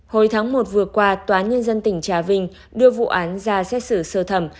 hồi tháng một vừa qua tòa nhân dân tỉnh trà vinh đưa vụ án ra xét xử sơ thẩm